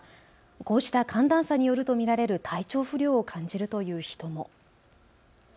こうした寒暖差によると見られる体調不良を感じるという人も。